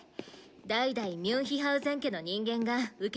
代々ミュンヒハウゼン家の人間が受け継いできたの。